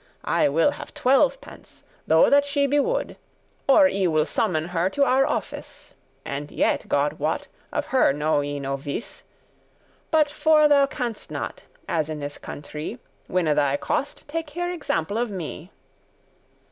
I will have twelvepence, though that she be wood,* *mad Or I will summon her to our office; And yet, God wot, of her know I no vice. But for thou canst not, as in this country, Winne thy cost, take here example of me."